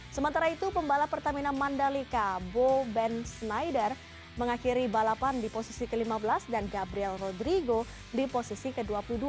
sementara itu pembalap pertamina mandalika bo ben snyder mengakhiri balapan di posisi ke lima belas dan gabriel rodrigo di posisi ke dua puluh dua